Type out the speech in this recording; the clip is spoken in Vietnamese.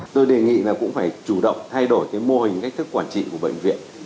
tôi đề nghị là cũng phải chủ động thay đổi cái mô hình cách thức quản trị của bệnh viện